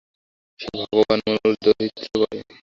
সে ভগবান মনুর দৌহিত্রী বটে।